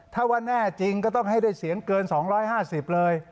ถ้าว่าแน่จริงก็ต้องให้ได้เสียงเกิน๒๕๐เลย